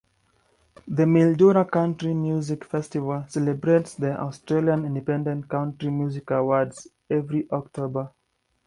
The Mildura Country Music Festival celebrates the "Australian Independent Country Music Awards" every October.